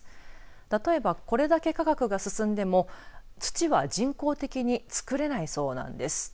例えばこれだけ科学が進んでも土は人工的に作れないそうなんです。